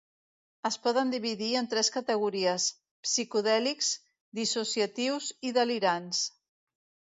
Es poden dividir en tres categories: psicodèlics, dissociatius i delirants.